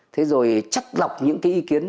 thế rồi chắc lọc những ý kiến